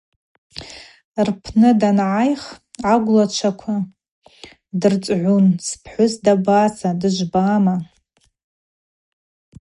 Рпны дангӏайх агвлачва дырцӏгӏун: Спхӏвыс дабаца, дыжвбама?